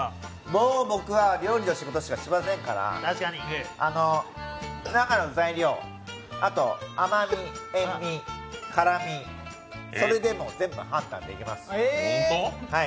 もう僕は料理の仕事しかしませんから中の材料、甘み、塩味、辛み、それで、もう全部判断できます、はい。